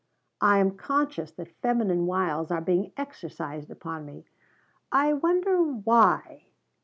"I am conscious that feminine wiles are being exercised upon me. I wonder why?"